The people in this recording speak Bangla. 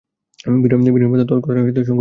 বিনয়ের মন তৎক্ষণাৎ সংকুচিত হইয়া গেল।